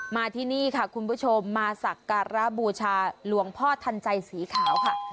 มาที่นี่ค่ะคุณผู้ชมมาสักการะบูชาหลวงพ่อทันใจสีขาวค่ะ